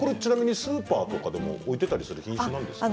スーパーでも置いていたりする品種ですか？